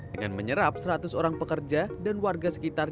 dengan menyerap seratus orang pekerja dan warga sekitar